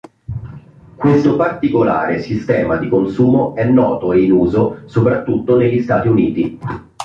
Questo particolare sistema di consumo è noto e in uso soprattutto negli Stati Uniti.